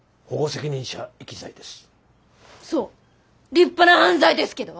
立派な犯罪ですけど？